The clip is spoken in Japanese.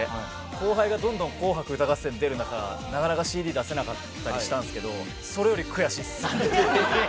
後輩がどんどん『紅白歌合戦』に出る中なかなかＣＤ出せなかったりしたんですけどそれより悔しいです。